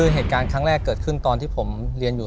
คือเหตุการณ์ครั้งแรกเกิดขึ้นตอนที่ผมเรียนอยู่